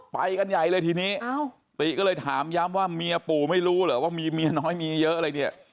ไปกันใหญ่เลยทีนี้ติก็เลยถามย้ำว่าเมียปู่ไม่รู้เหรอว่ามีเมียน้อยมีเยอะอะไรเนี่ย